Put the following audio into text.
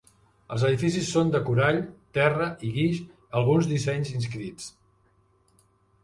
Els edificis són de corall, terra i guix, alguns dissenys inscrits.